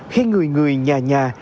khi người người nhà nhà